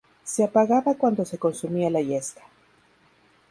Se apagaba cuando se consumía la yesca.